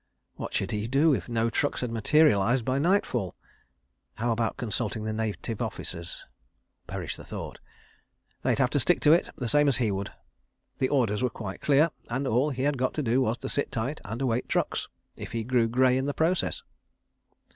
What should he do if no trucks had materialised by nightfall? How about consulting the Native Officers? ... Perish the thought! ... They'd have to stick it, the same as he would. The orders were quite clear, and all he had got to do was to sit tight and await trucks—if he grew grey in the process.